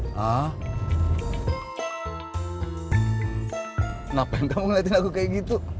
kenapa yang kamu ngeliatin aku kayak gitu